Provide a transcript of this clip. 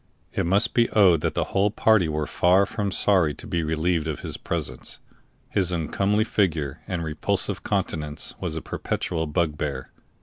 It must be owned that the whole party were far from sorry to be relieved of his presence; his uncomely figure and repulsive countenance was a perpetual bugbear.